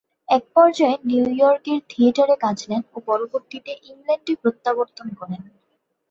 এক পর্যায়ে নিউইয়র্কের থিয়েটারে কাজ নেন ও পরবর্তীতে ইংল্যান্ডে প্রত্যাবর্তন করেন।